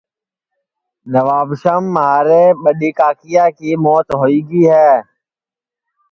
نوابشام مھاری ٻڈؔی کاکایا کی موت ہوئی گی ہے